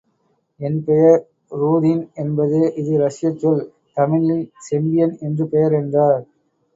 என் பெயர் ரூதின் என்பது இது இரஷ்யச் சொல்.தமிழில் செம்பியன் என்று பெயர் என்றார்.